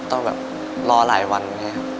ต้องรอหลายวันนี่ครับ